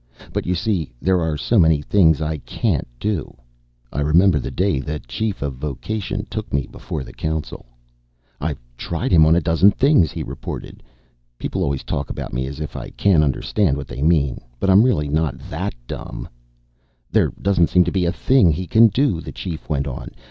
But, you see, there are so many things I can't do. I remember the day the Chief of Vocation took me before the council. "I've tried him on a dozen things," he reported. People always talk about me as if I can't understand what they mean. But I'm really not that dumb. "There doesn't seem to be a thing he can do," the Chief went on.